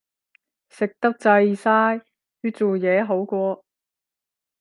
食到滯晒，去做嘢好過